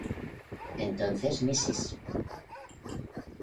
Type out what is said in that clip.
Entonces Mrs.